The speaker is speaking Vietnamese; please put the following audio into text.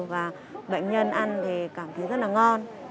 và bệnh nhân ăn thì cảm thấy rất là ngon